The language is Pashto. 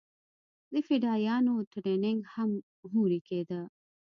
د فدايانو ټرېننگ هم هورې کېده.